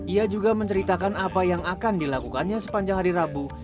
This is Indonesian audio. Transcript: ia juga menceritakan apa yang akan dilakukannya sepanjang hari rabu